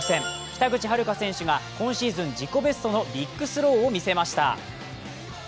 北口榛花選手が今シーズン自己ベストのビッグスローを見せました。